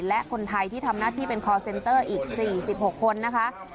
และคนไทยที่ทำหน้าที่เป็นคอร์เซนเตอร์อีก๔๖คนนะคะ